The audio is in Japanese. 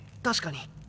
確かに。